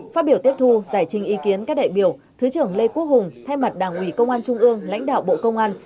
phát biểu tiếp thu giải trình ý kiến các đại biểu thứ trưởng lê quốc hùng thay mặt đảng ủy công an trung ương lãnh đạo bộ công an